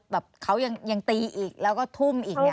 แบบเขายังตีอีกแล้วก็ทุ่มอีก